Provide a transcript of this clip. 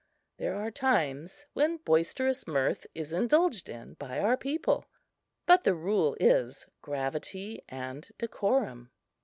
There are times when boisterous mirth is indulged in by our people, but the rule is gravity and decorum.